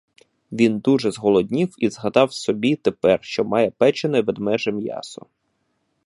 Він дуже зголоднів і згадав собі тепер, що має печене ведмеже м'ясо.